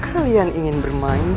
kalian ingin bermain bukan